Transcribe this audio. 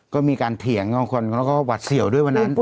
ก็มีการเถียงของคนแล้วก็หวัดเสี่ยวด้วยวันนั้น